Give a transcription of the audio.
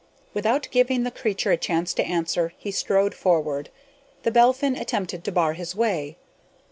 Without giving the creature a chance to answer, he strode forward. The Belphin attempted to bar his way.